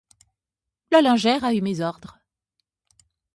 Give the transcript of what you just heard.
La lingère a eu mes ordres.